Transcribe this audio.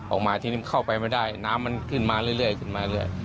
ออกมาที่นี่เข้าไปไม่ได้น้ำมันขึ้นมาเรื่อย